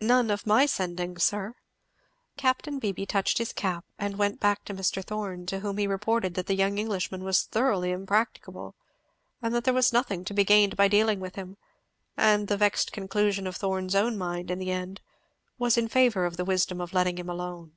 "None, of my sending, sir." Capt. Beebee touched his cap, and went back to Mr. Thorn, to whom he reported that the young Englishman was thoroughly impracticable, and that there was nothing to be gained by dealing with him; and the vexed conclusion of Thorn's own mind, in the end, was in favour of the wisdom of letting him alone.